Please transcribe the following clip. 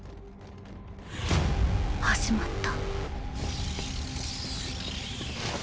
始まった。